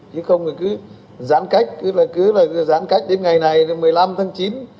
chứ không thì cứ giãn cách cứ là cứ giãn cách đến ngày này đến một mươi năm tháng chín